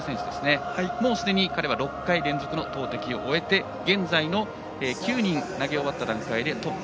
もうすでに彼は６回連続の投てきを終えて現在の９人投げ終わった段階でトップ。